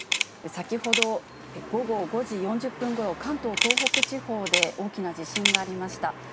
先ほど午後５時４０分ごろ、関東・東北地方で大きな地震がありました。